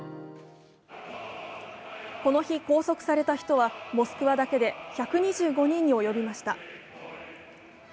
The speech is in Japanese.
この日拘束された人は、モスクワだけで１２５人に及びました。